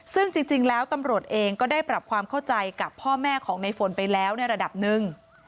ซึ่งจริงแล้วตำรวจเองก็ได้ปรับความเข้าใจกับพ่อแม่ของในฝนไปแล้วในระดับหนึ่ง